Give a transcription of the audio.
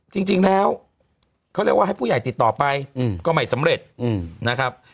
จริงแล้วเขาเรียกว่าให้ผู้ใหญ่ติดต่อไปก็ไม่สำเร็จนะครับ